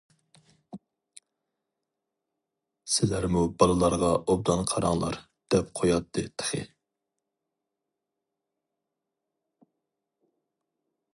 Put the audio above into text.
سىلەرمۇ بالىلارغا ئوبدان قاراڭلار-دەپ قوياتتى تېخى.